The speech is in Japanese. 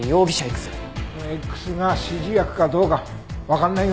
そのＸが指示役かどうかわかんないよ。